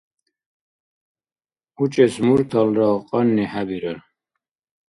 УчӀес мурталра кьанни хӀебирар.